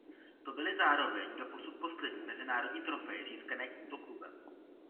To byly zároveň doposud poslední mezinárodní trofeje získané tímto klubem.